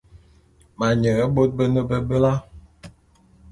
Ma nye bot bene bebela.